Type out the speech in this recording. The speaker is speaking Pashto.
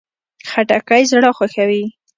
خټکی زړه خوښوي.